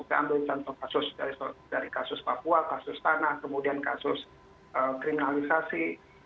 saya ambil contoh kasus dari kasus papua kasus tanah kemudian kasus kriminalisasi